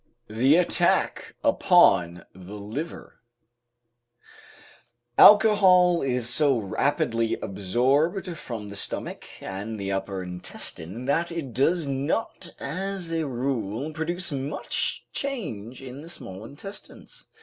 THE ATTACK UPON THE LIVER Alcohol is so rapidly absorbed from the stomach and the upper intestine, that it does not as a rule produce much change in the small intestines.